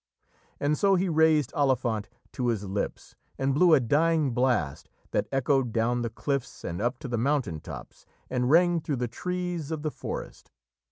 And so he raised Olifant to his lips and blew a dying blast that echoed down the cliffs and up to the mountain tops and rang through the trees of the forest.